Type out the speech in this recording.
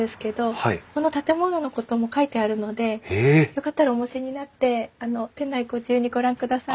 よかったらお持ちになって店内ご自由にご覧ください。